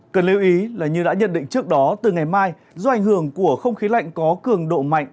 cần lưu ý là như đã nhận định trước đó từ ngày mai do ảnh hưởng của không khí lạnh có cường độ mạnh